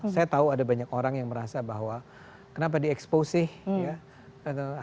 saya tahu ada banyak orang yang merasa bahwa kenapa diekspos sih ya